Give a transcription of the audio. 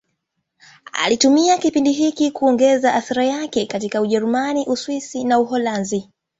Alitumia kipindi hiki kuongeza athira yake katika Ujerumani, Uswisi na Uholanzi.